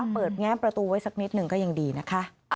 แง้มประตูไว้สักนิดหนึ่งก็ยังดีนะคะ